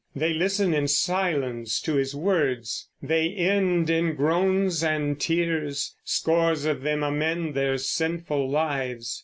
They listen in silence to his words; they end in groans and tears; scores of them amend their sinful lives.